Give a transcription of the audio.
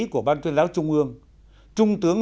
của ban tuyên lão trung ương